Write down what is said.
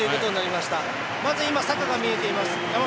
まずは、サカが見えています。